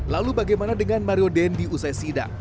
lalu bagaimana dengan mario dendi usai sida